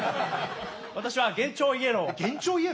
私は幻聴イエロー？